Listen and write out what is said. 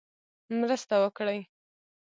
مرسته وکړي.